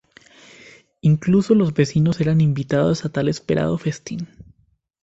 Incluso los vecinos eran invitados a tal esperado festín.